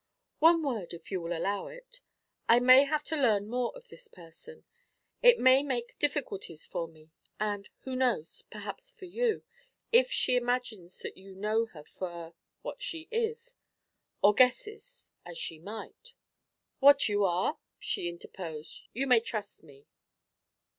'One word, if you will allow it. I may have to learn more of this person. It may make difficulties for me, and who knows? perhaps for you, if she imagines that you know her for what she is. Or guesses, as she might ' 'What you are?' she interposed. 'You may trust me.'